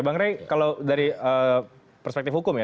bang rey kalau dari perspektif hukum ya